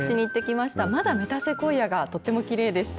まだメタセコイアがとってもきれいでした。